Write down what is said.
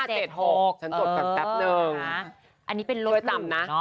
เจ็ดหกฉันจดแปบนึงอันนี้เป็นรถหุ่มด้วยทำนะอ่ะ